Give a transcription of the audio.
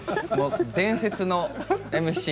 伝説のＭＣ。